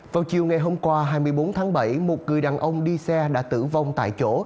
vào chiều ngày hôm qua hai mươi bốn tháng bảy một người đàn ông đi xe đã tử vong tại chỗ